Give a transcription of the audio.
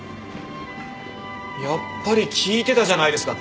やっぱり聞いてたじゃないですか。